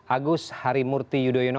agus harimurti yudhoyono